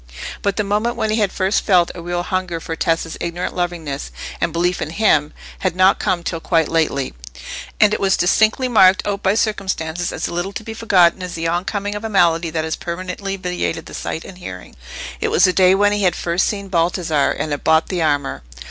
But the moment when he had first felt a real hunger for Tessa's ignorant lovingness and belief in him had not come till quite lately, and it was distinctly marked out by circumstances as little to be forgotten as the oncoming of a malady that has permanently vitiated the sight and hearing. It was the day when he had first seen Baldassarre, and had bought the armour.